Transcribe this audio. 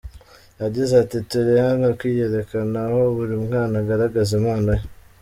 Yagize ati: “Turi hano kwiyerekana aho buri mwana agaragaza impano ye.